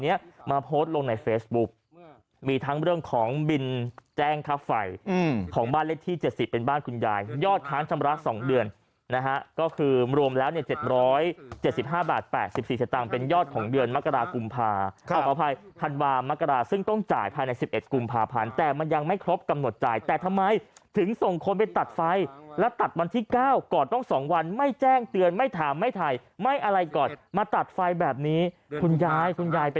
ยอดค้านชำระ๒เดือนนะฮะก็คือรวมแล้วเนี่ย๗๗๕บาท๘๑๔สตางค์เป็นยอดของเดือนมกรากุมภาครับอภัยธรรมานมกราซึ่งต้องจ่ายภายใน๑๑กุมภาพันธุ์แต่มันยังไม่ครบกำหนดจ่ายแต่ทำไมถึงส่งคนไปตัดไฟและตัดวันที่๙ก่อนต้อง๒วันไม่แจ้งเตือนไม่ถามไม่ถ่ายไม่อะไรก่อนมาตัดไฟแบบนี้คุณยายคุณยายเป